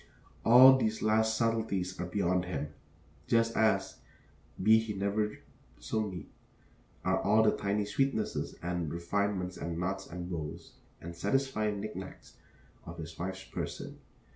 All these last subtleties are beyond him, just as, be he never so neat, are all the tiny sweetnesses and refinements and knots and bows and satisfying knick knacks of his wife's person.